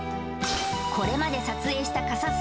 これまで撮影した火サス